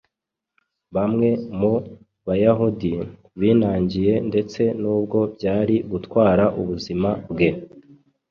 bamwe mu Bayahudi binangiye ndetse nubwo byari gutwara ubuzima bwe